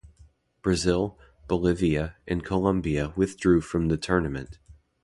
Brazil, Bolivia, and Colombia withdrew from the tournament.